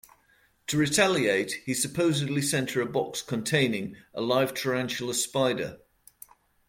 To retaliate, he supposedly sent her a box containing a live tarantula spider.